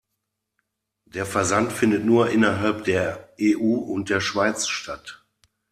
Der Versand findet nur innerhalb der EU und der Schweiz statt.